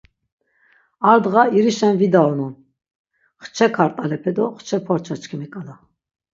Ar dğa irişen vidaunon, xçe kart̆alepe do xçe porça çkimi k̆ala.